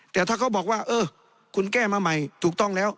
แต่ถ้าเขาบอกว่าเออคุณแก้มาใหม่ถูกต้องแล้ว